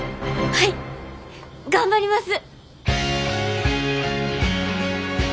はい頑張ります！